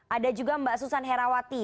ada juga mbak susan herawati